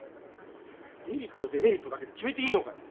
メリットデメリットだけで決めていいのかよ。